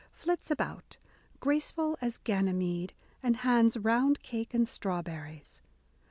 flits about, graceful as Ganymede," and hands round cake and strawberries.